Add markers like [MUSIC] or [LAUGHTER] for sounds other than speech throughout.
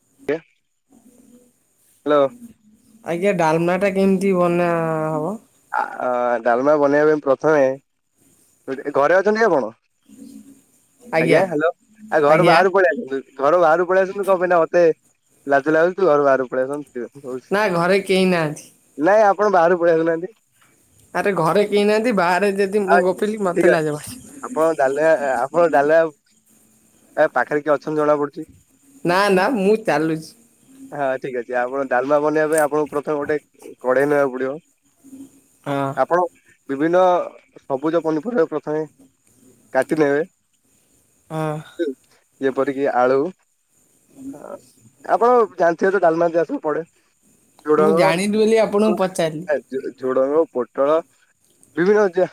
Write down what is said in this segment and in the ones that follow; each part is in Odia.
[INAUDIBLE] ହାଲୋ। ଆଜ୍ଞା ଡାଲମା ଟା କେମତି ବନା ହବ? ଆ ଆ, ଡାଲମା ବନେଇବା ପାଇଁ ପ୍ରଥମେ କୋଉଠି, ଘରେ ଅଛନ୍ତି ଆପଣ? ଆଜ୍ଞା ହାଲୋ ଆ ଘରୁ ଆଜ୍ଞା। ବାହାରୁକୁ ପଳେଇ ଆସନ୍ତୁ। ଘରୁ ବାହାରକୁ ପଳେଇ ଆସନ୍ତୁ କଣ ପାଇଁ ନା ମତେ ଲାଜ ଲାଗୁଚି ତ ଘରୁ ବାହାରକୁ ପଳେଇ ଆସନ୍ତୁ। ନା ଘରେ କେହି ନାହାନ୍ତି। ନାଇଁ ଆପଣ ବାହାରକୁ ପଳେଇ ଆସୁନାହାନ୍ତି। ଆରେ ଘରେ କେହି ନାହାନ୍ତି ବାହାରେ ଯେ ଆଜ୍ ଠିକ୍ଅଛି। ଆପଣ ଡାଲେଆ ଆ ଆପଣ ଡାଲେଆ ୟା ପାଖରେ କିଏ ଅଛନ୍ତି ଜଣା ପଡୁଚି। ନା ନା ମୁଁ ଚାଲୁଚି। ହାଁ ଠିକ୍ ଅଛି। ଆପଣ ଡାଲମା ବନେଇବା ପାଇଁ ଆପଣଙ୍କୁ ପ୍ରଥମେ ଗୋଟେ କଡେଇ ନେବାକୁ ପଡିବ ଆଁ ପଣ ବିଭିନ୍ନ ସବୁଜ ପନିପରିବା ପ୍ରଥମେ କାଟି ଦେବେ ଆଁ। ଯେପରିକି ଆଳୁ ଅ ଆପଣ ଜାଣିଥିବେ ତ ଡ଼ାଲମାରେ ଯାହାସବୁ ପଡେ? ମୁଁ ଜାଣିନି ବୋଲି ଆପଣଙ୍କୁ ପଚାରିଲି। [INAUDIBLE] ଝୁଡ଼ଙ୍ଗ ପୋଟଳ ବିଭିନ୍ନ ଯା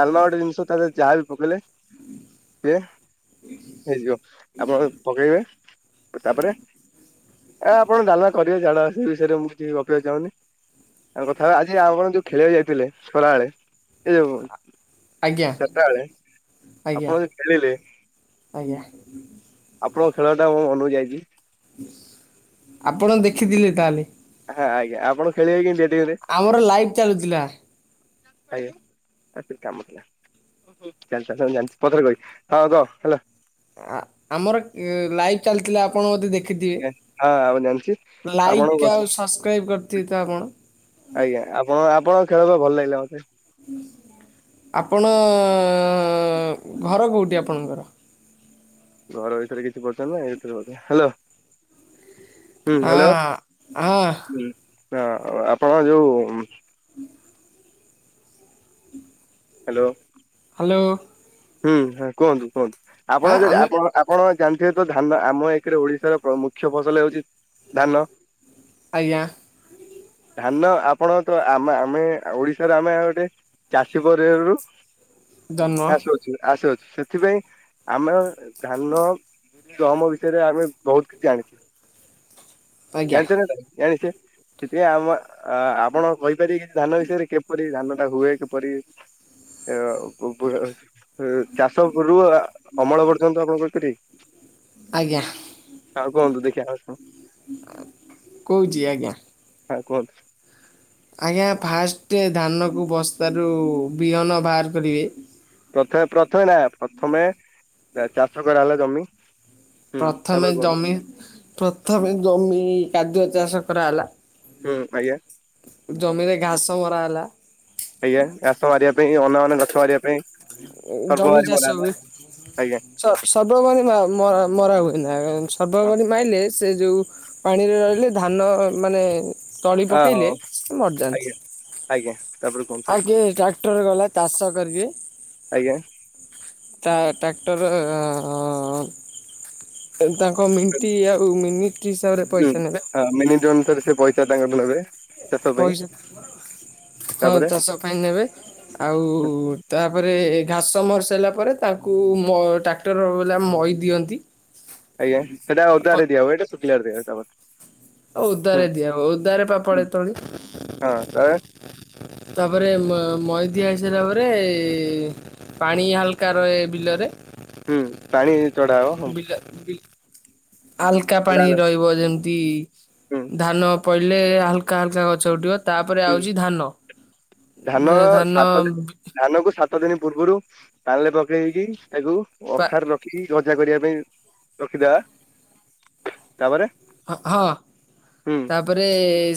ଡାଲ୍ମା ଗୋଟେ ଜିନିଷ ତା ଦେହରେ ଯାହା ବି ପକେଇଲେ ବେ ହେଇଜୀବ ଆପଣ ପକେଇବେ ତାପରେ ଏ ଆପଣ ଡାଲା କରିବେ ଜାଣା ସେ ବିଷୟରେ ମୁଁ କିଛି ଗପିବାକୁ ଚାହୁନି। ଆଉ କଥା ହବା ଆଜି ଆଉ କଣ ଯୋଉ ଖେଳିଆକୁ ଯାଇଥିଲେ ଖରାବେଳେ ସେ ଯୋଉ ଆଜ୍ଞା ଚାରିଟା ବେଳେ ଆଜ୍ଞା ଆପଣ ଯୋଉ ଖେଳିଲେ ଆଜ୍ଞା ଆପଣଙ୍କ ଖେଳଟା ମୋ ମନରୁ ଯାଇଚି। ଆପଣ ଦେଖିଥିଲେ ତାହେଲେ? ହାଁ ଆଜ୍ଞା ଆପଣ ଖଳିବେ କେମତି ଏଟିକିରେ? ଆମର ଲାଇଭ୍ ଚାଲୁଥିଲା। ଆଜ୍ଞା ଆଉ ଟିକେ କାମଥିଲା। ଚାଲି ଚା ଜାଣିଚି ପଛରେ କହିବି। ହଁ କହ ହେଲା। ଆ ଆମର ଲାଇଭ୍ ଚାଲିଥିଲା ଆପଣ ବଧେ ଦେଖ ହଁ ମୁଁ ଜାଣିଛି। ଦେଖିଦିଏ ଲାଇକ୍ ଆପଣଙ୍କୁ ଆଉ ସବସ୍କ୍ରାଇବ୍ କରିଥିବେ ତ ଆପଣ? ଆଜ୍ଞା ଆପଣ ଆପଣଙ୍କ ଖେଳିବା ଭଲ ଲାଗିଲା ମତେ। ଆପଣ ଘର କେଉଠି ଆପଣଙ୍କର? ଘର ବିଷୟରେ କିଛି ପଚାରୁନ ଏଥିରୁହେଉଚି ହାଲୋ। ହୁଁ ହ୍ୟାଲୋ ହଁ ହଁ ହୁଁ ଆପଣଙ୍କର ଯୋଉ? ହାଲୋ। ହାଲୋ। ହୁଁ ହୁଁ କୁହନ୍ତୁ କୁହନ୍ତୁ ହଁ ଆପଣଙ୍କର ଯଦି ଆମେ ଆପଣ ଆପ ଆପଣ ଜାଣିଥିବେ ତ ଧାନ ଆମ ଏକରେ ଓଡିଶାରେ ମୁଖ୍ୟ ଫସଲ ହେଉଛି ଧାନ। ଆଜ୍ଞା। ଧାନ ଆପଣ ତ ଆମ ଆମେ ଓଡିଶାରେ ଆମେ ଆଉ ଗୋଟେ ଚାଷୀ ପରିବାରରୁୁ ଜନ୍ମ ଆସୁଅଛୁ ଆସୁଅଛୁ ସେଥିପାଇଁ ଆମେ ଧାନ ଦମ ବିଷୟରେ ଆମେ ବହୁତ କିଛି ଜାଣିଛେ ଆଜ୍ଞା ଜାଣିଛ ନା ଜାଣିଛେ। ସେଥିପାଇଁ ଆମ ଆପଣ କହିପାରିବେ କି ଧାନ ବିଷୟରେ କିପରି ଧାନ ଟା ହୁଏ କିପରି? ଉଵର ଚାଷ ଉପ ରୁ ଅମଳ ପର୍ଯ୍ୟନ୍ତ ଆପଣ କହିପାରିବେ କି? ଆଜ୍ଞା ଆଉ କୁହନ୍ତୁ ଦେଖିବା ଆସଣ? କହୁଛି ଆଜ୍ଞା। ହାଁ କୁହନ୍ତୁ? ଆଜ୍ଞା ଫାଷ୍ଟେ୍ ଧାନ କୁ ବସ୍ତାରୁ ବିହନ ବାହାର କରିବେ। ପ୍ରଥମେ ପ୍ରଥମେ ନା ପ୍ରଥମେ ଚାଷ କରାଗଲା ଜମି। ହୁଁ ପ୍ରଥମେ ତାପରେ କୁହନ୍ତୁ ଜମି ପ୍ରଥମେ ଜମି କାଦୁଅ ଚାଷ କରାଗଲା। ହୁଁ ଆଜ୍ଞା। ଜମିରେ ଘାସ ମରା ହେଲା। ଆଜ୍ଞା ଘାସ ମାରିବା ପାଇଁ ଅ ଅନା ବନା ଗଛ ମାରିବା ପାଇଁ ଜମି ସର୍ବଭାରି ଚାଷ ବନାହେଲା ହୁଏ। ଆଜ୍ଞା ସ ସ ସର୍ବବନୀ ମରା ହୁଏ ନା ହଁ ସର୍ବବନୀ ମାଇଲେ ସେ ଯଉ ପାଣିରେ ରହିଲେ ଧାନ ମାନେ ତଳି ଅ ପକେଇଲେ ହଉ ସେ ଆଜ୍ଞା ମରିଯାଆନ୍ତି। ଆଜ୍ଞା ତାପରେ କୁହନ୍ତୁ ଆଗେ ଟ୍ରାକ୍ଟର ଗଲା ଚାଷ କରିଦିଏ। ଆଜ୍ଞା। ତା ଟ୍ରାକ୍ଟର ଆ ଆ। ତାଙ୍କ ମିଟି୍ ଆଉ ମିନିଟ୍ ହିସାବରେ ପଇସା ନେବେ। ହଁ ମିନିଟ୍ ଅନୁସାରେ ସେ ପଇସା ତାଙ୍କଠୁ ନେବେ। ଚାଷ ପାଇଁ ପଇସା ହଁ ତାପରେ ଚାଷ ପାଇଁ ନେବେ। ଆଉ ତାପରେ ଘାସ ମରି ସାଇଲା ପରେ ତାଙ୍କୁ ଟାକ ଟ୍ରାକ୍ଟ ର ବେଲା ମଇ ଦିଅନ୍ତି। ଆଜ୍ଞା ସେଇଟା ଓଦାରେ ଦିଆହୁଏ ଏଇଟା ସୁଖିଲାରେ ଦିଆହୁଏ ତାପରେ। ହୁଁ ଓଦାରେ ଦିଆ ହେଉ ଓଦାରେ ପା ପଡେ ତଳି। ହଁ ତାପରେ? ତାପରେ ମ ମହି ଦିଆ ହେଇସାରିଲା ପରେ ପାଣି ହାଲକା ରହେ ବିଲରେ। ହୁଁ ପାଣି ଚଢା ହବ ହଁ। ହାଲକା ଚଢା ପାଣି ହେଲା ରହିବ ଯେମିତି। ବି ହୁଁ ଧାନ ପଡିଲେ ହାଲକା ହାଲକା ଗଛ ଉଠିବ। ତାପରେ ହୁଁ ଆଉଚି ଧାନ ଧାନ। ସାତ ଦିନ ଧାନକୁ ସାତ ଦିନ ପୂର୍ବରୁ ନାଲି ପକେଇକି ତାକୁ ପା ଅଖାରେ ରଖିକି ଯୋଯା କରିବା ପାଇଁ ରଖିଥା। ହଁ ହୁଁ ତାପରେ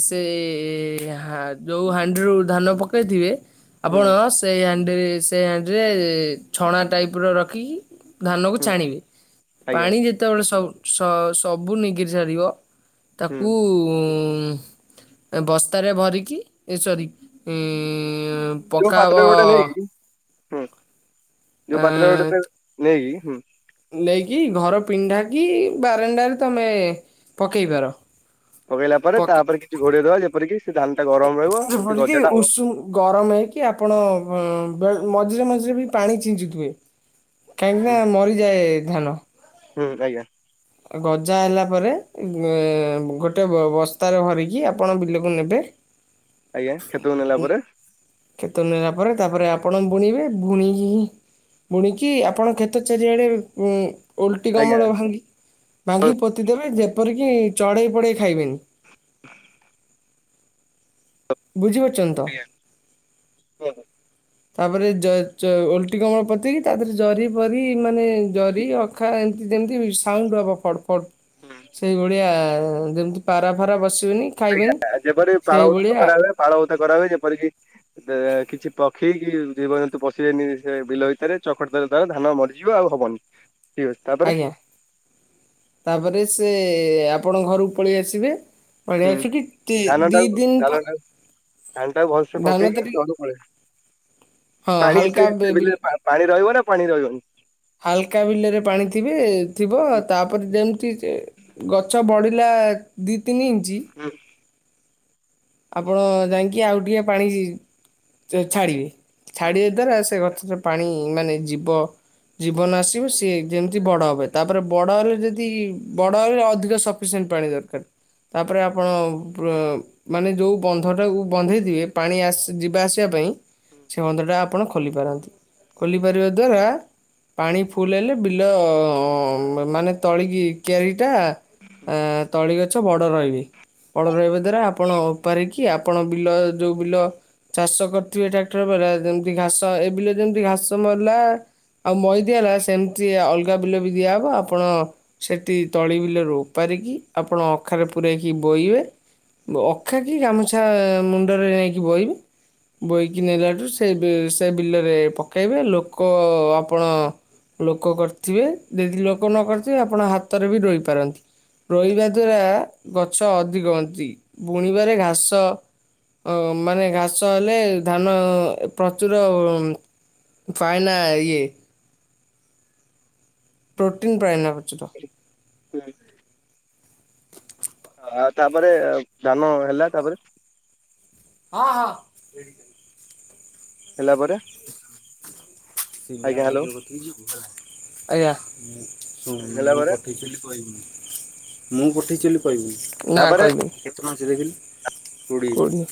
ସେ ଯୋଉ ହାଣ୍ଡିରୁ ଧାନ ପକେଇଥିବେ ହୁଁ ଆପଣ ସେ ହାଣ୍ଡି ସେ ହାଣ୍ଡିରେ ଛଣା ଟାଇପର ରଖିକି। ଧାନକୁ ହୁଁ ଛାଣିବେ ଆଜ୍ଞା ପାଣି ଯେତେବେଳେ ସବୁ ସବୁ ନିଗିରି ସାରିବ ହୁଁ ତାକୁ ବସ୍ତାରେ ଭରିକି ସରି ଉ ଯୋଉ ପାତ୍ର ଗୋଟେ ନେଇକି ହୁଁ ଯୋଉ ପାତ୍ର ଏଁ ଗୋଟେ ନେଇକି ହୁଁ ନେଇକି ଘର ପିନ୍ଦ୍ଧା କିି ବାରଣ୍ଡାରେ ତମେ ପକେଇଦେଲ। ପକେଇଲା ପରେ ତାପରେ କିଛି ଘୋଡେଇ ଦବା ଯେପରିକି ସେ ଧାନଟା ଗରମ ରହିବ ସେ ଯେପରିକି ଗଜାଟା ହବ? ଉଷୁମ ଗରମ ହେଇକି ଆପଣ ମଝିରେ ମଝିରେ ବି ପାଣି ଛିଞ୍ଚିଥିବେ। କାହିଁକି ନା ହୁଁ ମରିଯାଏ ଧାନ? ହୁଁ ଆଜ୍ଞା। ଗଜା ହେଲା ପରେ ଗୋଟେ ବସ୍ତାରେ ଭରିକି ଆପଣ ବିଲକୁ ନେବେ। [INAUDIBLE] ଆଜ୍ଞା ଖେତକୁ ନେଲା ପରେ ନେଲା ପରେ ତାପରେ ଆପଣ ବୁଣିବେ ବୁଣିକି ହି ବୁଣିକି ଆପଣଙ୍କ କ୍ଷେତ ଚାରିଆଡେ ଉ ଓଲଟି ଆଜ୍ଞା କମଳ ଭାଙ୍ଗି ଭାଙ୍ଗିକି ପୋତି ଦେବେ ଯେପରିକି ଚଢ଼େଇ ପଢେଇ ଖାଇବେନି। [INAUDIBLE] ବୁଝିପାରୁଛନ୍ତି ତ? ଆଜ୍ଞା। ତାପରେ ଓଲଟି କମଳ ପୋତିକି ତା ଦେହରେ ଜରି ପରି ମାନେ ଜରି ଅଖା ଏମିତି ଯେମିତି ସାଉଣ୍ଡ ହବ ଫଡ ଫଡ। ସେଇଭଳିଆ ଯେମିତି ପାରା ଫାରା ବସିବେନି। ଖାଇବେନି ଆଜ୍ଞା ଯେପରି ପାଳଭୁତ ସେଇଭଳିଆ କରା ହୁଏ ପାଳ ଭୁତ କରା ହୁଏ ଯେପରିକି କିଛି ପ କେହିବି ଜୀବଜନ୍ତୁ ପଶିବେନି ସେ ବିଲ ଭିତରେ ଚକଟି ଦେବେ ଧାନ ମରିଯିବ ଆଉ ହବନି। ଠିକ ଅଛି ତାପରେ ଆଜ୍ଞା ତାପରେ ସେ ଆପଣଙ୍କ ଘରକୁ ପଳେଇ ଆସିବେ। ହୁଁ ପଳେଇଆସିକି ଧାନ ଦିଇ ଟାକୁ ଦିନ ଧାନ ପ ଟାକୁ ଧାନ ଟା ଭଲସେ ଧାନ ପକେଇକି ତାରି ଜ ପେ ହଁ ପାଣି ହାଲକା ସେ ବି ବିଲ ପାଣି ରହିବ ନା ପାଣି ରହିବନି? ହାଲକା ବିଲରେ ପାଣି ଥିବେ ଥିବ ହୁଁ ତାପରେ ଯେମିତି ସେ ଗଛ ବଢ଼ିଲା ଦିଇ ତିନି ଇଞ୍ଚି ହଁ। ଆପଣ ଯାଇକି ଆଉ ଟିକେ ପାଣି ଛାଡିବେ ଛାଡିବା ଦ୍ଵାରା ସେ ଗଛ ପାଣି ମାନେ ଜିବ। ଜୀବନ ଆସିବ ସିଏ ଯେମିତି ବଡ ହବ ତାପରେ ବଡ ହେଲେ ଯଦି ବଡ ହେଲେ ଅଧିକ ସ ଉଷୁମ ପାଣି ଦରକାର ତାପରେ ଆପଣ ମାନେ ଯୋଉ ବନ୍ଧଟାକୁ ବନ୍ଧେଇଥିବେ ପାଣି ଯିବା ଆସିବା ପାଇଁ ହୁଁ। ସେ ବନ୍ଧଟା ଆପଣ ଖୋଲିପାରନ୍ତି ଖୋଲିପାରିବା ଦ୍ୱାରା ପାଣି ଫୁଲ ହେଲେ ବିଲ ମାନେ ତଳିକି କିଆରିଟା ଆ ତଳି ଗଛ ବଡ ରହିବେ ବଡ ରହିବା ଦ୍ଵାରା ଆପଣ ଓପାରିକି କି ଆପଣ ବିଲ ଯୋଉ ବିଲ ଚାଷ କରିଥିବେ ଟ୍ରାକ୍ଟର ବାଲା ଯେମିତି ଘାସ ଏ ବ ଯେମତି ଘାସ ମଲା। ଆଉ ମଇଦିଆ ହେଲା ସେମିତି ଅଲଗା ବିଲ ବି ଦିଆହେବ ଆପଣ ସେଠି ତଳି ବିଲରୁ ଓପାରିକି ଆପଣ ଅଖାରେ ପୂରେଇକି ବୋହିବେ। ବ ଅଖା କି ଗାମୁଛା ମୁଣ୍ଡରେ ନେଇକି ବୋହିବୁ। ବୋହିକି ନେଲାଠୁ ସେ ବେ ସେ ବିଲରେ ପକେଇବେ ଲୋକ ଆପଣ। ଲୋକ କରିଥିବେ ଯଦି ଲୋକ ନ କରିଥିବେ ଆପଣ ହାତରେ ବି ରୋଇ ପାରନ୍ତି। ରୋଇ ବା ଦ୍ଵାରା ଗଛ ଅଧିକ ହୁଅନ୍ତି ବୁଣିବାରେ ଘାସ। ଅ ମାନେ ଘାସ ହେଲେ ଧାନ ପ୍ରଚୁର ଉଁ। ପାଏନା ଇଏ। ପ୍ରୋଟିନ୍ ପାଏନା ପ୍ରଚୁର। ହୁଁ। ଆଉ ତାପରେ ଧାନ ହେଲା ତାପରେ। ହଁ ହଁ। ହେଲା ପରେ। ଆଜ୍ଞା। ହେଲା ପରେ ପଠେଇଥିଲି କହିବୁନି ମୁଁ ପଠେଇଚି ବୋଲି ତାପରେ କହିବୁନି। କୋଡ଼ିଏ।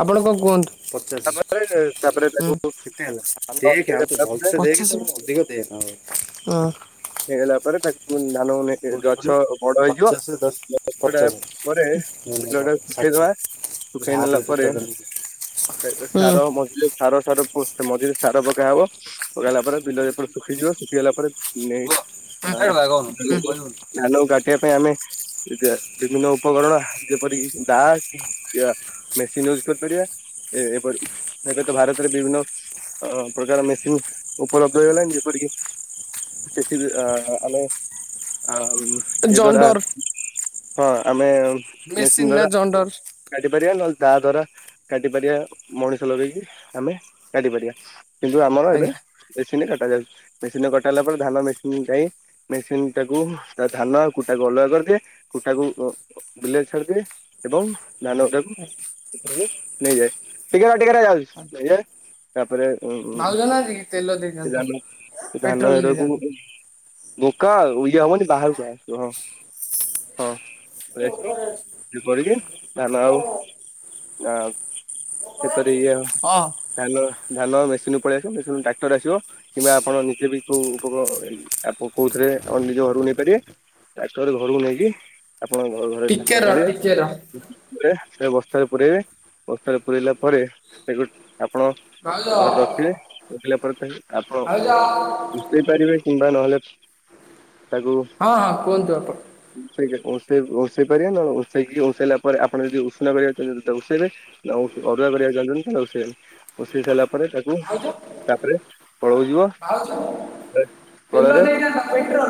ଆପଣ କଣ କୁହନ୍ତୁ? ପଚାସେ। ତାପରେ ତାପରେ ତାକୁ କେତେ ହେଲା? ଧାନ ହେଇଗଲା ପରେ ପଚାସ ପା। ହୁଁ। ହେଇଗଲା ପରେ ତା ଉଁ ଧାନ ନେଇକି ଗଛ ବଡ ହେଇଯିବ ଗଛ ଟା ପରେ ବିଲଟା। ଶୁଖେଇଦବା ଶୁଖେଇ ଦେଲା ପରେ [UNINTELLIGIBLE] ହଁ ହୁଁ ସାର ମସ ସାର ସାର ପୋସ୍ତେ ମଝିରେ ସାର ପକା ହବ। ପକାହେଲା ପରେ ବିଲ ଏପଟେ ଶୁଖିଯିବ ଶୁଖିଗଲା ପରେ ନେଇ ଆ। [UNINTELLIGIBLE] ଧାନକୁ କାଟିବା ପାଇଁ ଆମେ [UNINTELLIGIBLE] ବିଭିନ୍ନ ଉପକରଣ ଯେପରିକି ଦାଆ। କିଆ ମେସିନ୍ ୟୁଜ କରିପାରିବା ଏ-ଏପରି ଏବେ ତ ଭାରତରେ ବିଭିନ୍ନ। ଅ ପ୍ରକାର ମେସିନ୍ ଉପଲବ୍ଧ ହେଇଗଲାଣି ଯେପରିକି। ଜେ ଶି ବି ଆ ଆମେ ଆଉ ଏ ଦ୍ୱାରା। ଜଣ୍ଡର ହଁ ଆମେ ମେସିନ୍ ନା ଦ୍ୱାରା। ଜଣ୍ଡର କାଟି ପାରିବା ନହେଲେ ଦା ଦ୍ଵାରା କାଟି ପାରିବା ମଣିଷ ଲଗେଇକି ଆମେ କାଟି ପାରିବା। କିନ୍ତୁ ଆମର ଏବେ ଆଜ୍ଞା। ମେସିନରେ କାଟା ଯାଉଛି ମେସିନରେ କଟାହେଲା ପରେ। ଧାନ ମେସିନ୍ ଟା ହିଁ ମେସିନ୍ ଟାକୁ ତା ଧାନ ଆଉ କୁଟାକୁ ଅଲଗା କରିଦିଏ କୁଟାକୁ ଉ। ବିଲରେ ଛାଡିଦିଏ। ଏବଂ ଧାନ ଟାକୁ [UNINTELLIGIBLE] ନେଇଯାଏ, ଟିକେ ରହ ଟିକେ ରହ ଯାଉଚି ନେଇଯାଏ। ତାପରେ ଉଁ ଭାଉଜ ନାହାନ୍ତି କି ତେଲ ସେ ଦେଇଥାନ୍ତ। ଧାନ ସେ ଧାନ ପେଟ୍ରୋଲ ହେରା ଦେଇଥାନ୍ତି ବୋକା ଇଏ ହବନି ବାହାରକୁ ଆସିବ ହଁ ହଁ। ପଳେଇ ଆସିବ ଯେପରିକି ଧାନ ଆଉ ନା। ସେଥିରେ ଇଏ ହଁ ଧାନ ଧାନ ମେସିନରୁ ପଳେଇ ଆସିବ ମେସିନରୁ ଟ୍ରାକ୍ଟର ଆସିବ। କିମ୍ବା ଆପଣ ନିଜେ ବି କୋଉ। ଆପକ [UNINTELLIGIBLE] ଆକୁ କୋଉଥିରେ ଆପଣ ନିଜ ଘରକୁ ନେଇପାରିବେ ଟାକ୍ଟରରେ ଘରକୁ ନେଇକି। ଆପଣଙ୍କ ଘରେ ଘରେ ଟିକେ ଧାନ ର ଚାଳିବେ। ଟିକେ ର [UNINTELLIGIBLE] ସେ ବସ୍ତାରେ ପୁରେଇବେ ବସ୍ତାରେ ପୁରେଇଲା ପରେ ସେ ଗୋ ଆପଣ। ଭାଉଜ ଘରେ ରଖିବେ ରଖିଲା ପରେ ତାକୁ ଆପଣ ଭାଉଜ ଓ। ପାରିବେ କିମ୍ବା ନହେଲେ ତାକୁ। ହଁ ହଁ କୁହନ୍ତୁ ଆପଣ ଉଁସେଇକି ଉଁସେଇ ଉଁସେଇ ପାରିବେ ନ ଉଁସେଇକି ଉଁସେଇଲା ପରେ ଆପଣ ଯଦି ଉଷୁନା କରିବାକୁ ଚାହୁଁଛନ୍ତି ତାକୁ ଉସେଇବେ। ନା ଉ ଅରୁଆ କରିବାକୁ ଚାହୁଁଛନ୍ତି ତାହେଲେ ଉସେଇବେନି। ଉଁଷେଇ ସାରିଲା ପରେ ତାକୁ ଭାଉଜ ତାପରେ କଳକୁ ଯିବ। କଳରେ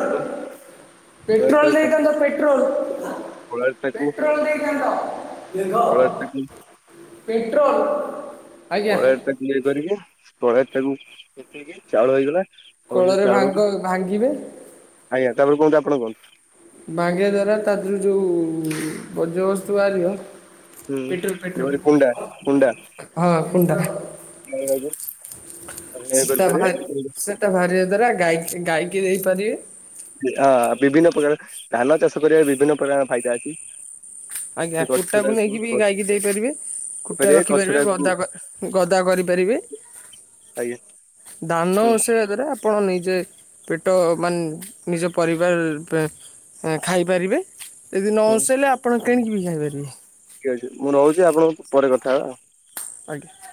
ତାକୁ କଳରେ ପେଟ୍ରୋଲ୍ ତାକୁ ଚାଷ ଦେଇଥାନ୍ତ ପେଟ୍ରୋଲ୍। କଳରେ ତାକୁ ପେଟ୍ରୋଲ୍ କଳରେ ତାକୁ ଦେଇଥାନ୍ତ। ପେଟ୍ରୋଲ୍। କଳେରେ ତାକୁ ଇଏ କରିକି କଳେରେ ତାକୁ ଚାଉଳ ହେଇଗଲା। ଆଉ ସେ କୋଳରେ ଭାଙ୍ଗ ଚାଉଳକୁ ଭାଙ୍ଗିବେ ଭାଙ୍ଗିବା ଦ୍ଵାରା ତା ଦେହରୁ ଯୋଉ ବଜ୍ୟବସ୍ତୁ ବାହାରିବ ହୁଁ ପେଟ୍ରୋଲ ପେଟ୍ରୋଲ ଯେପରି କୁଣ୍ଡା କୁଣ୍ଡା ହଁ କୁଣ୍ଡା ଆପଣ ଏୟା ସେଟା ବାହାରି କରିପାରିବେ। [UNINTELLIGIBLE] ବାହାରିବା ଦ୍ଵାରା ଗଈ ଗାଈକି ଦେଇପାରିବେ। ଆ ବିଭିନ୍ନ ପ୍ରକାର ଧାନ ଚାଷ କରିବା ବିଭିନ୍ନ ପ୍ରକାର ଫାଇଦା ଅଛି। ଆଜ୍ଞା ସେ କୁଟାକୁ ଗଛଟାକୁ ନେଇକି ବି ଗାଈକି ଦେଇପାରିବେ, କୁଟା କରିବେ ରଖିପାରିବେ ଗଛଟାକୁ ଗଦା ଗଦା କରିପାରିବେ। ଆଜ୍ଞା ଧାନ ହୁଁ ଉଁସେଇବା ଦ୍ୱାରା ଆ ପଣ ନିଜେ ପେଟ ମାନେ ନିଜ ପରିବାର ପ ଏ ଖାଇପାରିବେ। ଯଦି ନ ହୁଁ ଉଁସେଇଲେ ଆପଣ କିଣିକି ବି ଖାଇପାରିବେ। ଠିକ୍ ଅଛି ମୁଁ ରହୁଚି, ଆପଣଙ୍କ ପରେ କଥା ହବା ଆଉ। ଆଜ୍ଞା।